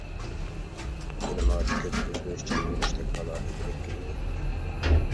كىلىماتى كۆپ ئۆزگىرىشچان بولۇشتەك ئالاھىدىلىككە ئىگە.